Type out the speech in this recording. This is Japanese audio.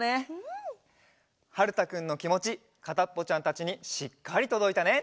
はるたくんのきもちかたっぽちゃんたちにしっかりとどいたね。